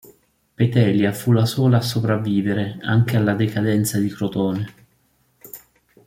Petelia fu la sola a sopravvivere anche alla decadenza di Crotone.